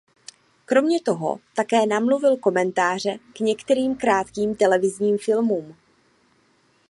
Kromě toho také namluvil komentáře k některým krátkým televizním filmům.